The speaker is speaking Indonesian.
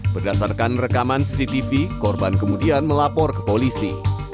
berdasarkan rekaman cctv korban kemudian melapor ke polisi